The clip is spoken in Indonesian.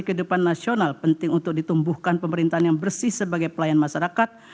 kehidupan nasional penting untuk ditumbuhkan pemerintahan yang bersih sebagai pelayan masyarakat